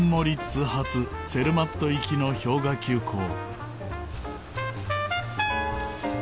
ツェルマット行きの氷河急行。